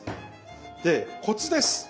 でコツです。